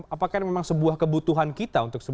apakah ini memang sebuah kebutuhan kita